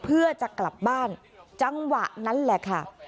เพื่อจะกลับบ้านจังหวะนั้นแหละค่ะ